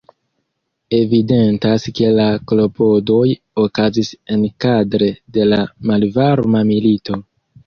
Evidentas ke la klopodoj okazis enkadre de la Malvarma Milito.